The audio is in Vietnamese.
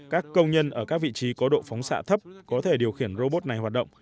các công nhân ở các vị trí có độ phóng xạ thấp có thể điều khiển robot này hoạt động